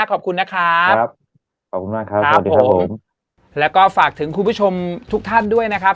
ขอบคุณนะครับครับขอบคุณมากครับครับผมแล้วก็ฝากถึงคุณผู้ชมทุกท่านด้วยนะครับ